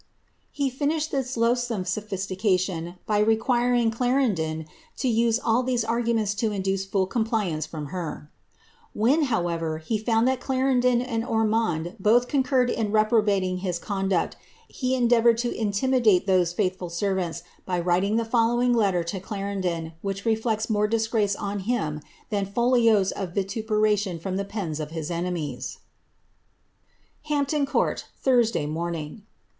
^' He liuished this loathsome sophistication by re quiring Clarendon to use all tliese arguments to induce full compliance from her. When, however, he found that Clarendon and Ormond both con curred in reprobating his conduct, he endeavoured to intimidate those faithful servants, by writing the following letter to Clarendon, which re flects more disgrace on him than folios of vituperation from the pens of his enemies :—*' Hampton Court, Thursday morning.